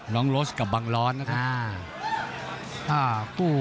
โรสกับบังร้อนนะครับ